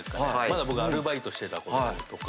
まだ僕アルバイトしてたころ。